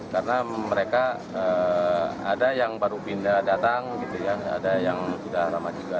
karena mereka ada yang baru pindah datang gitu ya ada yang sudah lama juga